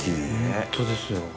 ホントですよ。